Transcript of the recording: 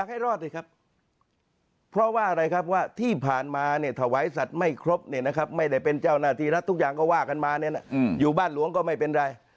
ให้รอดสิครับเพราะว่าอะไรครับว่าที่ผ่านมาเนี่ยถวายสัตว์ไม่ครบเนี่ยนะครับไม่ได้เป็นเจ้าหน้าที่รัฐทุกอย่างก็ว่ากันมาเนี่ยนะอยู่บ้านหลวงก็ไม่เป็นไร